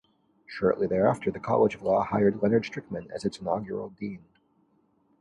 Shortly thereafter, the College of Law hired Leonard Strickman as its inaugural Dean.